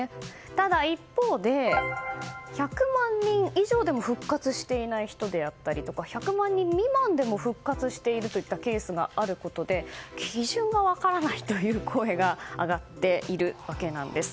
ただ、一方で１００万人以上でも復活していない人であったり１００万人未満でも復活しているケースがあることで、基準が分からないという声が上がっているわけなんです。